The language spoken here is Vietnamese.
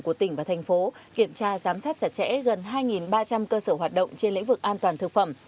của tỉnh và thành phố kiểm tra giám sát chặt chẽ gần hai ba trăm linh cơ sở hoạt động trên lĩnh vực an toàn thực phẩm